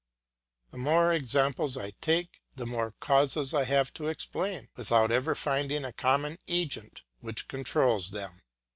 The more examples I take, the more causes I have to explain, without ever finding a common agent which controls them.